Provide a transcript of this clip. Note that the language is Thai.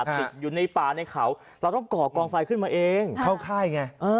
ติดอยู่ในป่าในเขาเราต้องก่อกองไฟขึ้นมาเองเข้าค่ายไง